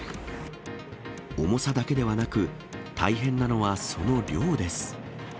重さだけではなく、大変なのはその量です。